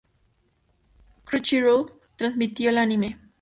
Crunchyroll transmitió el anime.